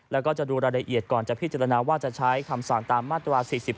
แล้วก็จะดูรายละเอียดก่อนจะพิจารณาว่าจะใช้คำสั่งตามมาตรา๔๔